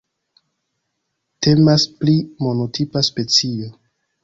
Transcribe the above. Temas pri monotipa specio.